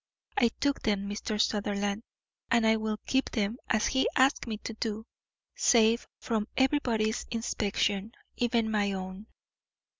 I took them, Mr. Sutherland, and I will keep them as he asked me to do, safe from everybody's inspection, even my own."